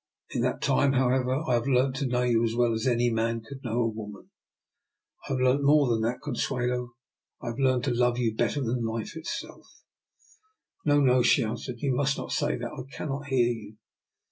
In that time, however, I have learnt to know you as well as any man could know a woman. I have learnt more than that, Consuelo; I have learnt to love you better than life itself." " No, no,'* she answered, '* you must not say that. I cannot hear you."